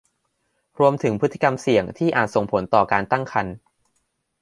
รวมถึงพฤติกรรมเสี่ยงที่อาจส่งผลต่อการตั้งครรภ์